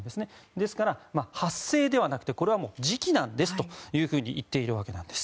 ですから、発生ではなく時期なんですと言っているわけです。